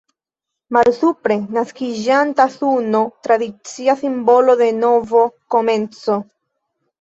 Malsupre, naskiĝanta suno, tradicia simbolo de novo komenco.